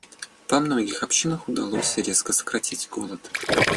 Во многих общинах удалось резко сократить голод.